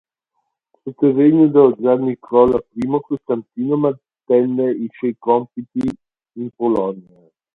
Sotto il regno dello zar Nicola I, Costantino mantenne i suoi compiti in Polonia.